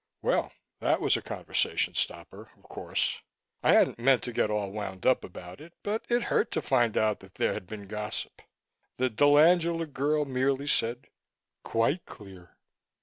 Well, that was a conversation stopper, of course. I hadn't meant to get all wound up about it, but it hurt to find out that there had been gossip. The dell'Angela girl merely said: "Quite clear."